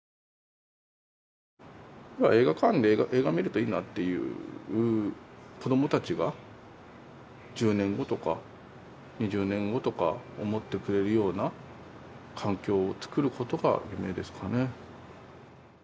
映画館で映画を見るといいなっていう子どもたちが１０年後とか２０年後とか思ってくれるような環境を作ることが夢ですかね。